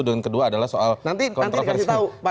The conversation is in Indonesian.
dan kedua adalah soal kontroversial